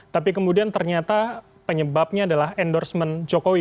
tapi kemudian ternyata penyebabnya adalah endorsement jokowi